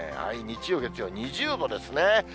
日曜、月曜２０度ですね。